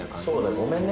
ごめんね。